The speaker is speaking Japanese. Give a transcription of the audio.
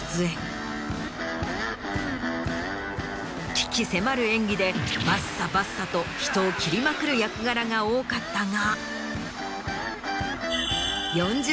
鬼気迫る演技でバッサバッサと人を斬りまくる役柄が多かったが。